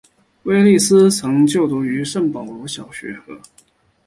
威利斯曾就读于圣保罗小学和。